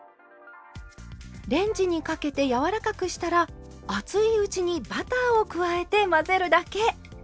レンジにかけて柔らかくしたら熱いうちにバターを加えて混ぜるだけ。